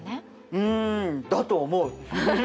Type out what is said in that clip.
うんだと思う。